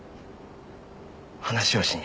話をしに。